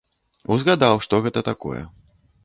Узгадаў, што гэта такое.